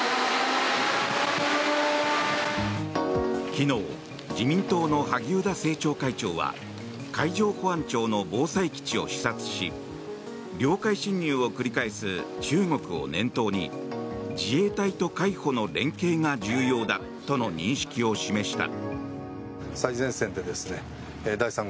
昨日自民党の萩生田政調会長は海上保安庁の防災基地を視察し領海侵入を繰り返す中国を念頭に自衛隊と海保の連携が重要だとの認識を示した。